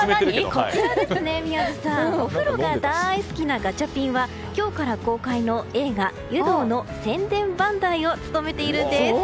こちら、宮司さんお風呂が大好きなガチャピンは今日から公開の映画「湯道」の宣伝番台を務めているんです。